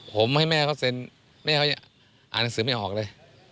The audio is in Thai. ผมให้แม่เขาเซ็นแม่เขาอ่านหนังสือไม่ออกเลย